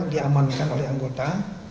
diamankan oleh anggota